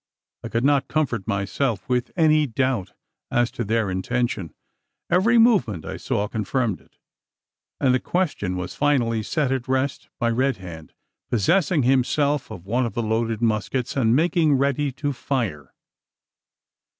I could not comfort, myself with any doubt as to their intention. Every movement I saw confirmed it; and the question was finally set at rest by Red Hand possessing himself of one of the loaded muskets, and making ready to fire.